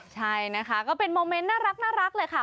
ใช่นะคะก็เป็นโมเมนต์น่ารักเลยค่ะ